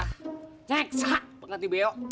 nyeksa pengen nih beo